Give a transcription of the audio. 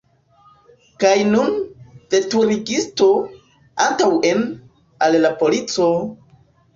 Kaj nun, veturigisto, antaŭen, al la polico!